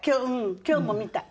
今日も見た。